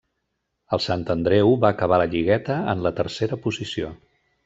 El Sant Andreu va acabar la lligueta en la tercera posició.